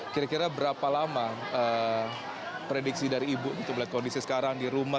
kira kira berapa lama prediksi dari ibu untuk melihat kondisi sekarang di rumah